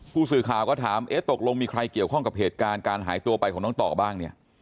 ผู้สื่อข่าวก็ถามเอ๊ะตกลงมีใครเกี่ยวข้องกับเหตุการณ์การหายตัวไปของน้องต่อบ้างเนี่ย